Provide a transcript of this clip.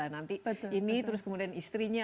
nanti ini terus kemudian istrinya